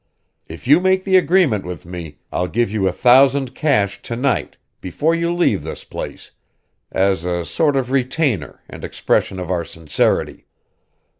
If you make the agreement with me, I'll give you a thousand cash to night before you leave this place, as a sort of retainer and expression of our sincerity.